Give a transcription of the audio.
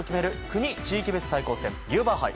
国別対抗戦、ユーバー杯。